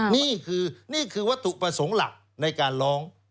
นี่คือนี่คือวัตถุประสงค์หลักในการร้อง